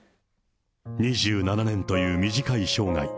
２７年という短い生涯。